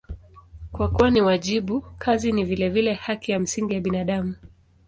Kwa kuwa ni wajibu, kazi ni vilevile haki ya msingi ya binadamu.